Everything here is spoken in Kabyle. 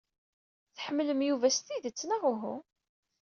Tḥemmlem Yuba s tidet, neɣ uhu?